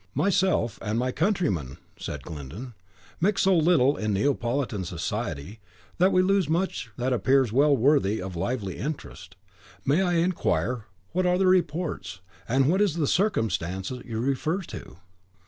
"Myself and my countryman," said Glyndon, "mix so little in Neapolitan society, that we lose much that appears well worthy of lively interest. May I enquire what are the reports, and what is the circumstance you refer to?"